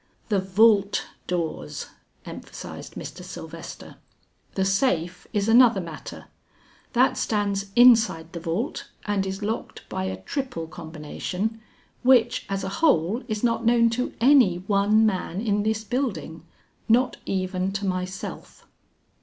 "The vault doors," emphasized Mr. Sylvester. "The safe is another matter; that stands inside the vault and is locked by a triple combination which as a whole is not known to any one man in this building, not even to myself."